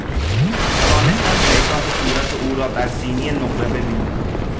توانستم انعکاس صورت او را بر سینی نقره ببینم.